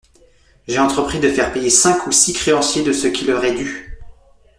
J'ai entrepris de faire payer cinq ou six créanciers de ce qui leur est dû.